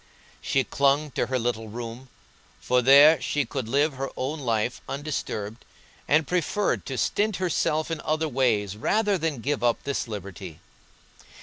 She clung to her little room, for there she could live her own life undisturbed, and preferred to stint herself in other ways rather than give up this liberty.